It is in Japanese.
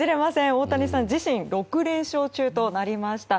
大谷さん自身６連勝中となりました。